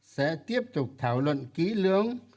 sẽ tiếp tục thảo luận ký lưỡng